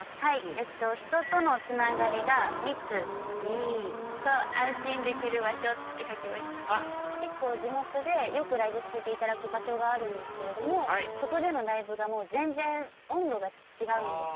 えっと結構地元でよくライブさせていただく場所があるんですけれどもそこでのライブがもう全然温度が違うんですよ。